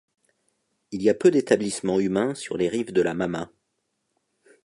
Il y a peu d'établissements humains sur les rives de la Mama.